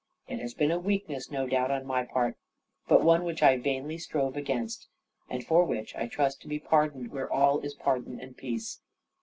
It has been a weakness no doubt on my part, but one which I vainly strove against; and for which I trust to be pardoned where all is pardon and peace."